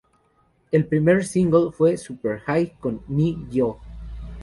El primer single fue "Super High" con Ne-Yo.